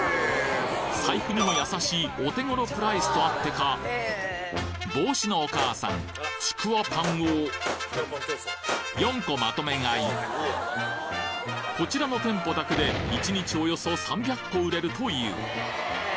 財布にも優しいお手頃プライスとあってか帽子のお母さんちくわぱんを４個まとめ買いこちらの店舗だけで夫もはい。